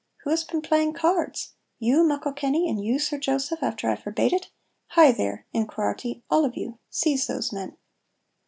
Wha has been playing cards? You, Muckle Kenny, and you, Sir Joseph, after I forbade it! Hie, there, Inverquharity, all of you, seize those men."